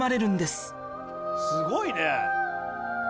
すごいね。